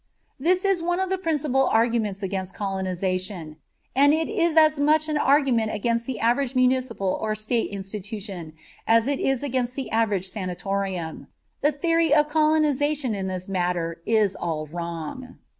That is one of the principal arguments against colonization; and it is as much an argument against the average municipal or state institution as it is against the average sanatorium. The theory of colonization in this matter is all wrong.